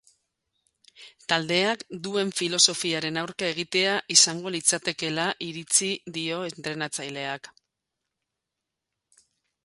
Taldeak duen filosofiaren aurka egitea izango litzatekeela iritzi dio entrenatzaileak.